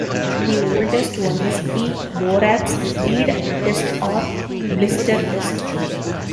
The oldest one is the borax bead test or blister test.